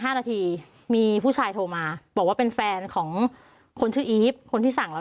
ห้านาทีมีผู้ชายโทรมาบอกว่าเป็นแฟนของคนชื่ออีฟคนที่สั่งเรา